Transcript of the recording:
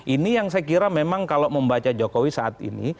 ini yang saya kira memang kalau membaca jokowi saat ini